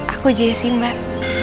aku jessy mbak